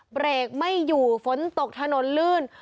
เบรกไม่อยู่ฝนตกถนนลื่น